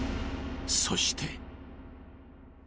［そして］